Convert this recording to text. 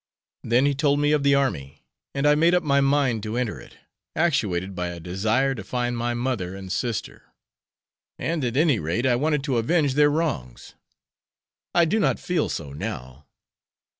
Then he told me of the army, and I made up my mind to enter it, actuated by a desire to find my mother and sister; and at any rate I wanted to avenge their wrongs. I do not feel so now.